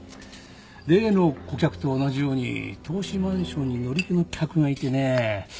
例の顧客と同じように投資マンションに乗り気の客がいてね。